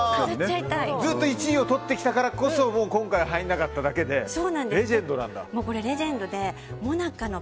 ずっと１位をとってきたからこそ今回入らなかっただけでレジェンドなんだ。